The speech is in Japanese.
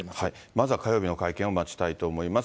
まずは火曜日の会見を待ちたいと思います。